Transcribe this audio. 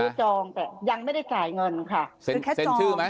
ซื้อจองแต่ยังไม่ได้จ่ายเงินค่ะ